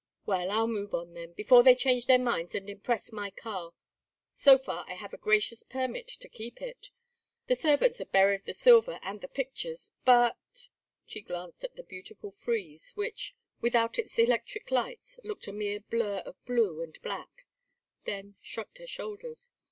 "Well, I'll move on then before they change their minds and impress my car. So far I have a gracious permit to keep it. The servants have buried the silver and the pictures, but " She glanced at the beautiful frieze, which, without its electric lights, looked a mere blur of blue and black, then shrugged her shoulders.